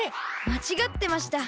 まちがってました。